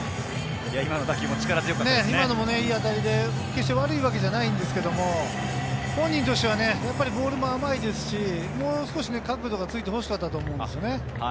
今のもいい当たりで決して悪いわけではないんですけれど、本人としてはボールも甘いですし、もう少し角度がついてほしかったと思うんですよね。